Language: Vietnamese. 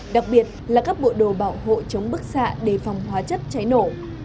đặc biệt là các bộ đồ bảo hộ chống bức xạ đề phòng hóa chất cháy nổ